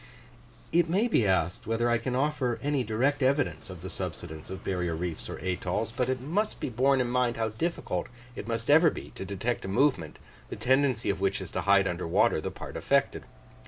It may be asked, whether I can offer any direct evidence of the subsidence of barrier reefs or atolls; but it must be borne in mind how difficult it must ever be to detect a movement, the tendency of which is to hide under water the part affected.